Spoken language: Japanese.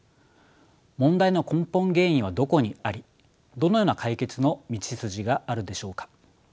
問題の根本原因はどこにありどのような解決の道筋があるでしょうか。